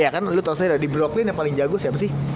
ya kan lu tau di brooklyn yang paling jago siapa sih